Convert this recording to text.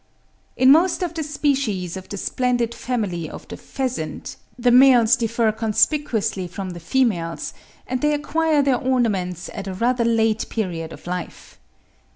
In most of the species of the splendid family of the Pheasants, the males differ conspicuously from the females, and they acquire their ornaments at a rather late period of life.